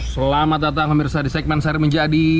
selamat datang pemirsa di segmen seri menjadi